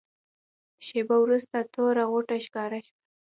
شېبه وروسته توره غوټه ښکاره شوه.